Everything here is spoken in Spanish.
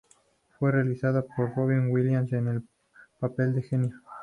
Fue realizado por Robin Williams en su papel del Genio.